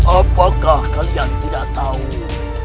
apakah kalian tidak tahu